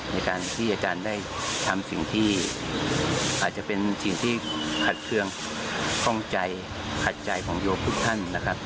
ในการที่อาจารย์ได้ทำสิ่งที่อาจจะเป็นสิ่งที่ขัดเครื่องข้องใจขัดใจของโยมทุกท่านนะครับ